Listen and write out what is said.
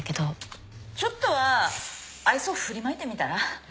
ちょっとは愛想振りまいてみたら？